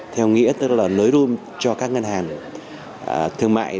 theo nghĩa tức là nới roum cho các ngân hàng thương mại